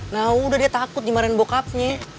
nah udah dia takut dimarahin bokapnya